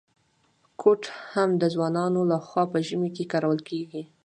کوټ هم د ځوانانو لخوا په ژمي کي کارول کیږي.